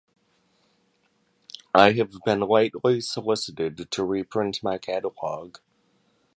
I have been lately solicited to reprint my catalogue.